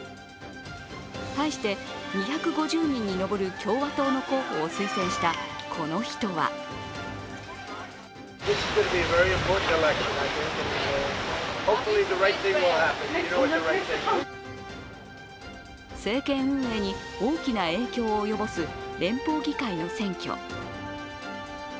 対して、２５０人に上る共和党の候補を推薦したこの人は政権運営に大きな影響を及ぼす連邦議会の選挙。